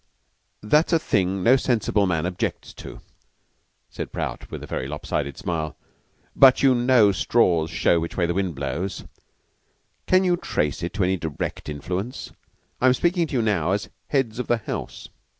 "That's a thing no sensible man objects to," said Prout with a lop sided smile; "but you know straws show which way the wind blows. Can you trace it to any direct influence? I am speaking to you now as heads of the house."